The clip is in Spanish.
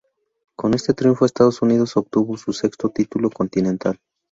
Con este triunfo Estados Unidos obtuvo su sexto título continental.